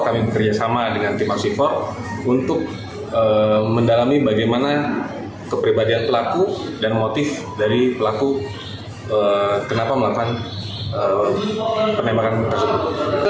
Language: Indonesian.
kami bekerjasama dengan tim asifor untuk mendalami bagaimana kepribadian pelaku dan motif dari pelaku kenapa melakukan penembakan tersebut